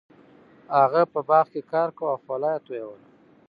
هغه په باغ کې کار کاوه او خوله یې تویوله.